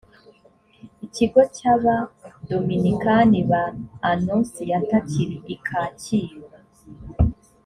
ikigo cy’ abadominikani ba anonsiyata kiri i kacyiru